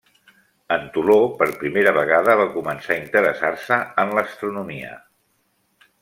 En Toló, per primera vegada, va començar a interessar-se en l'astronomia.